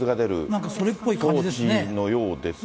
なんかそれっぽい感じですね。